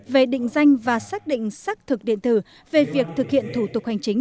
về định danh và xác định xác thực điện tử về việc thực hiện thủ tục hành chính